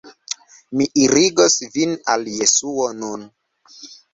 Mi irigos vin al Jesuo nun.